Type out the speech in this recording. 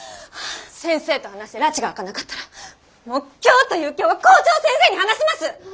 先生と話してらちが明かなかったらもう今日という今日は校長先生に話します！